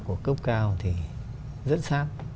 của cấp cao thì rất sát